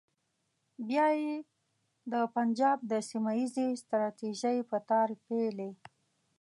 بیا یې د پنجاب د سیمه ییزې ستراتیژۍ په تار پېیلې.